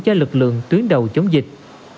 cho lực lượng tuyến đầu chống dịch